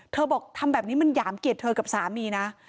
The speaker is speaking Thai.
บอกทำแบบนี้มันหยามเกลียดเธอกับสามีนะ